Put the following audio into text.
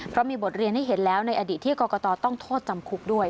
เพราะมีบทเรียนให้เห็นแล้วในอดีตที่กรกตต้องโทษจำคุกด้วย